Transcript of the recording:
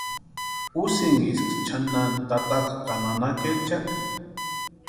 ¿Úsïnksï chʼanani tataka ka nanakaecha?